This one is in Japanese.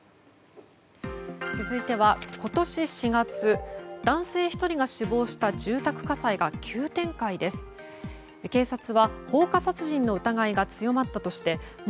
続いては今年４月男性１人が死亡した住宅火災が急展開です。